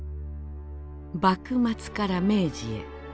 幕末から明治へ。